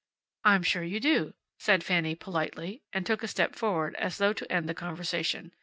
"I'm sure you do," said Fanny politely, and took a little step forward, as though to end the conversation.